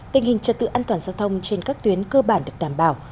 tình hình trật tự an toàn giao thông trên các tuyến cơ bản được đảm bảo